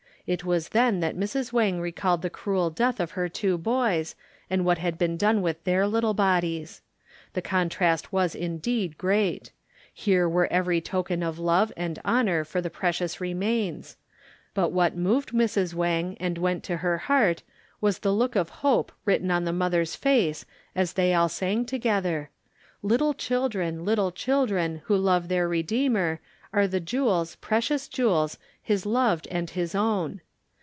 It was then that Mrs. Wang recalled the cruel death of her two boys and what had been done with their little bodies. The contrast was indeed great: here were every token of love and honor for the precious remains; but what moved Mrs. Wang end went to her heart was the look of Hope written on the mother's face as they all sang together— "Little children, little children. Who love their Redeemer Are the jewels, precious jewels, His loved and His own.